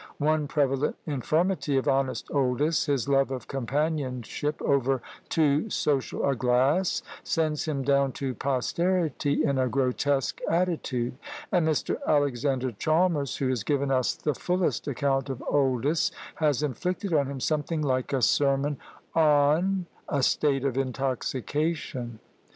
One prevalent infirmity of honest Oldys, his love of companionship over too social a glass, sends him down to posterity in a grotesque attitude; and Mr. Alexander Chalmers, who has given us the fullest account of Oldys, has inflicted on him something like a sermon, on "a state of intoxication."